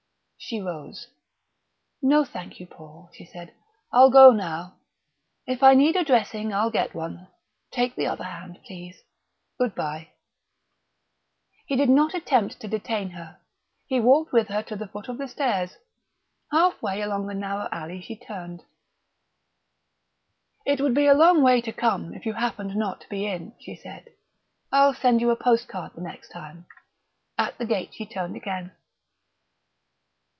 She rose. "No, thank you, Paul," she said. "I'll go now. If I need a dressing I'll get one; take the other hand, please. Good bye " He did not attempt to detain her. He walked with her to the foot of the stairs. Half way along the narrow alley she turned. "It would be a long way to come if you happened not to be in," she said; "I'll send you a postcard the next time." At the gate she turned again.